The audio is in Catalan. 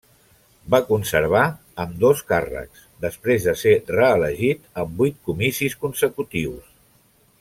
Va conservar ambdós càrrecs, després de ser reelegit en vuit comicis consecutius.